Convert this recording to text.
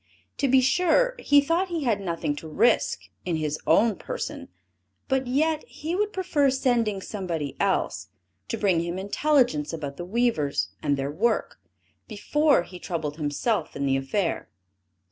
To be sure, he thought he had nothing to risk in his own person; but yet, he would prefer sending somebody else, to bring him intelligence about the weavers, and their work, before he troubled himself in the affair.